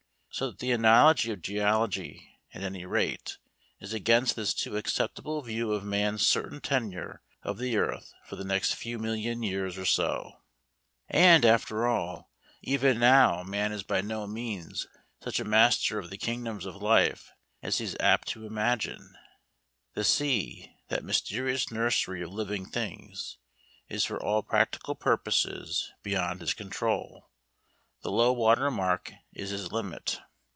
So that the analogy of geology, at anyrate, is against this too acceptable view of man's certain tenure of the earth for the next few million years or so. And, after all, even now man is by no means such a master of the kingdoms of life as he is apt to imagine. The sea, that mysterious nursery of living things, is for all practical purposes beyond his control. The low water mark is his limit.